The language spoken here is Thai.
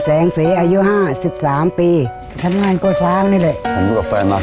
สงสัยว่ากับทางหรือทางค้า